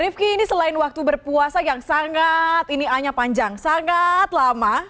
rifki ini selain waktu berpuasa yang sangat ini a nya panjang sangat lama